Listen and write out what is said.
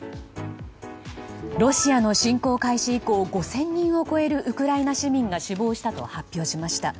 ロシアの侵攻開始以降５０００人を超えるウクライナ市民が死亡したと発表しました。